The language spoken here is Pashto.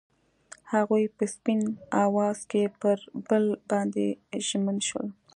هغوی په سپین اواز کې پر بل باندې ژمن شول.